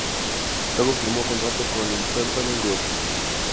Luego firmó contrato con "Entertainment Group".